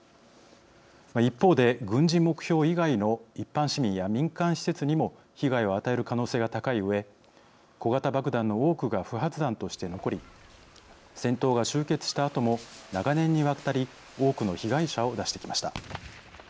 一方で軍事目標以外の一般市民や民間施設にも被害を与える可能性が高いうえ小型爆弾の多くが不発弾として残り戦闘が終結したあとも長年にわたり多くの被害者を出してきました。